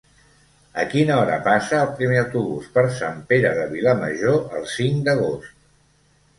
A quina hora passa el primer autobús per Sant Pere de Vilamajor el cinc d'agost?